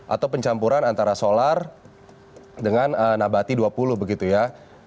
atau pencampuran antara solar dengan nabati dua puluh begitu ya